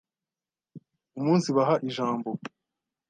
umunsibaha ijambo